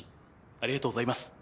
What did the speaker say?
ありがとうございます。